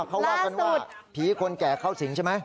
เขาว่ากันว่าผีคนแก่เข้าสิงใช่ไหม